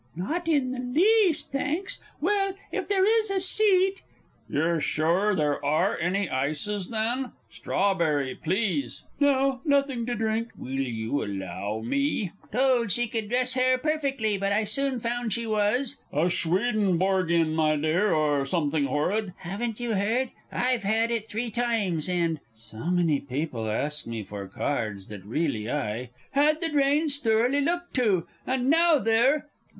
Not in the least, thanks. Well, if there is a seat.... You're sure there are any ices? Then, strawberry, please no, nothing to drink!... Will you allow me? [Illustration: "I AM ONLY A COWBOY."] ... Told she could dress hair perfectly, but I soon found she was ... a Swedenborgian, my dear, or something horrid.... Haven't you? I've had it three times, and ... so many people have asked me for cards that really I ... had the drains thoroughly looked to, and now they're